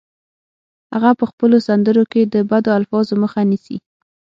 هغه په خپلو سندرو کې د بدو الفاظو مخه نیسي